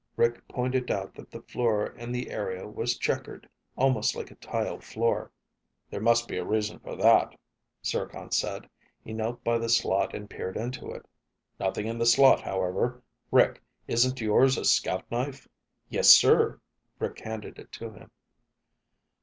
Rick pointed out that the floor in the area was checkered, almost like a tile floor. "There must be a reason for that," Zircon said. He knelt by the slot and peered into it. "Nothing in the slot, however. Rick, isn't yours a scout knife?" "Yes, sir." Rick handed it to him.